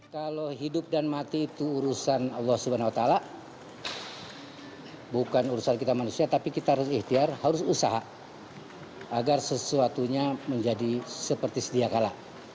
kalau hidup dan mati itu urusan allah swt bukan urusan kita manusia tapi kita harus ikhtiar harus usaha agar sesuatunya menjadi seperti sedia kalah